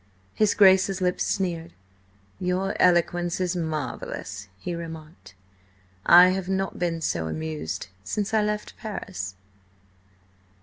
His Grace's lips sneered. "Your eloquence is marvellous," he remarked. "I have not been so amused since I left Paris."